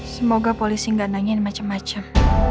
semoga polisi gak nanyain macem macem